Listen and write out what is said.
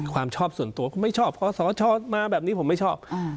ความชอบส่วนตัวคุณไม่ชอบคอสชมาแบบนี้ผมไม่ชอบ